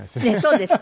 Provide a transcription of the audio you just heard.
そうです。